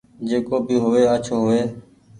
جڪو بي هووي آچهو هووي